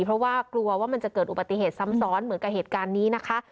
เพราะว่ากลัวว่ามันจะเกิดอุบัติเหตุซ้ำซ้อนเหมือนกับเหตุการณ์นี้นะคะ